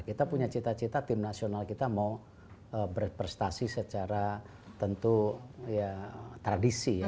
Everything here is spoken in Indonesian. kita punya cita cita tim nasional kita mau berprestasi secara tentu ya tradisi ya